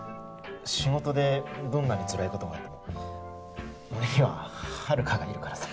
仕事でどんなにつらいことがあっても俺にはハルカがいるからさ。